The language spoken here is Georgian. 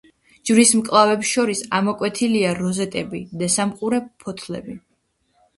ჯვრის მკლავებს შორის ამოკვეთილია როზეტები და სამყურა ფოთლები.